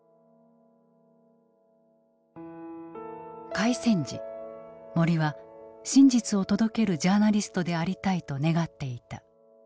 開戦時森は真実を届けるジャーナリストでありたいと願っていた。